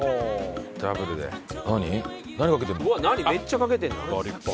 めっちゃかけてるな。